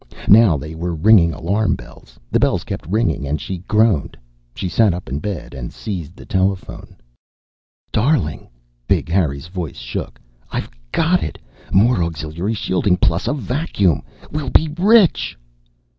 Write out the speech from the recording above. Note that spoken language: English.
Now they were ringing alarm bells. The bells kept ringing and she groaned, sat up in bed, and seized the telephone. "Darling." Big Harry's voice shook. "I've got it! More auxiliary shielding plus a vacuum. We'll be rich!"